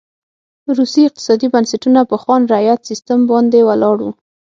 روسي اقتصادي بنسټونه په خان رعیت سیستم باندې ولاړ و.